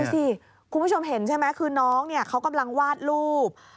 สิคุณผู้ชมเห็นใช่ไหมคือน้องเนี่ยเขากำลังวาดรูป